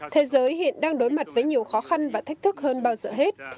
thế giới hiện đang đối mặt với nhiều khó khăn và thách thức hơn bao giờ hết